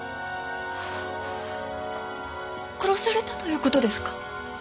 こっ殺されたということですか？